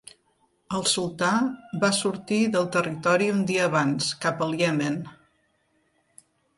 El sultà va sortir del territori un dia abans, cap al Iemen.